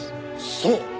そう！